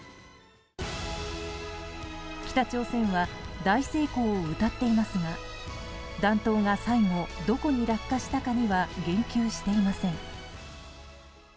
北朝鮮は大成功をうたっていますが弾頭が最後どこに落下したかには言及していません。